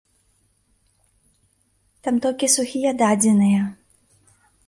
Там толькі сухія дадзеныя.